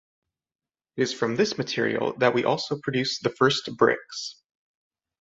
It is from this material that we also produce the first bricks.